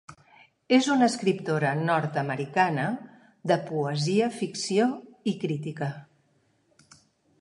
És una escriptora nord-americana de poesia, ficció i crítica.